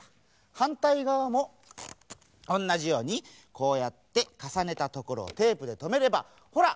はんたいがわもおんなじようにこうやってかさねたところをテープでとめればほら！